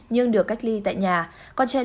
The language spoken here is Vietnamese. nhưng được cách ly tại nhà con trai